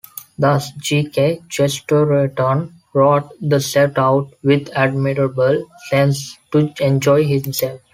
Thus G. K. Chesterton wrote: The set out, with admirable sense, to enjoy himself.